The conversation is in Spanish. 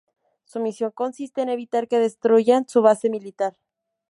Su misión consiste en evitar que destruyan su base militar.